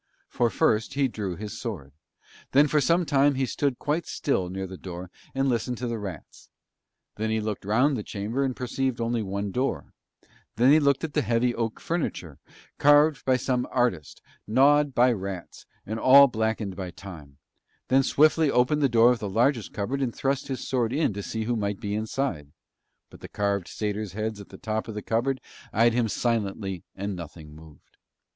For first he drew his sword; then for some while he stood quite still near the door and listened to the rats; then he looked round the chamber and perceived only one door; then he looked at the heavy oak furniture, carved by some artist, gnawed by rats, and all blackened by time; then swiftly opened the door of the largest cupboard and thrust his sword in to see who might be inside, but the carved satyr's heads at the top of the cupboard eyed him silently and nothing moved.